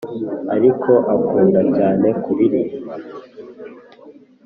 ariko akunda cyane kuririmba